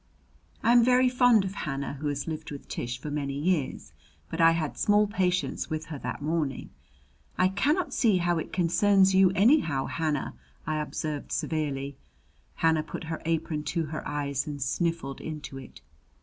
I am very fond of Hannah, who has lived with Tish for many years; but I had small patience with her that morning. "I cannot see how it concerns you, anyhow, Hannah," I observed severely. Hannah put her apron to her eyes and sniffled into it.